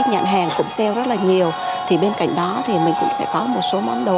hàng cũng sale rất là nhiều thì bên cạnh đó thì mình cũng sẽ có một số món đồ